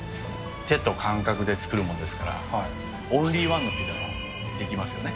手と感覚で作るものですから、オンリーワンのピザが出来ますよね。